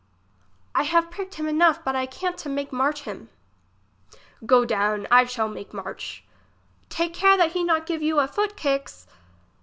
I have pricked him enough. But I can't to make march him. Go down, I shall make march. Take care that he not give you a foot kick's.